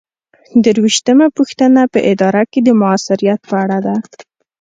درویشتمه پوښتنه په اداره کې د مؤثریت په اړه ده.